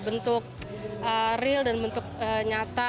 bentuk real dan bentuk nyata